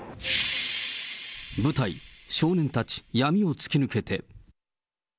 舞台、少年たち闇を突き抜けて。